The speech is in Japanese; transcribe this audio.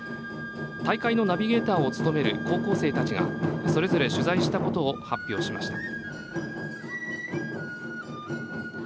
大会のナビゲーターを務める高校生たちがそれぞれ取材したことを発表しました。